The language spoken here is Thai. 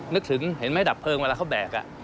นึกถึงเห็นไหมดับเพลิงเวลาเขาแบก